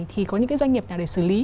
thì có những cái doanh nghiệp nào để xử lý